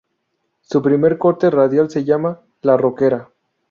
Su primer corte radial se llama "La Rockera".